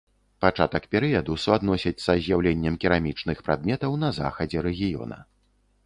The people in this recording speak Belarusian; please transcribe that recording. Пачатак перыяду суадносяць са з'яўленнем керамічных прадметаў на захадзе рэгіёна.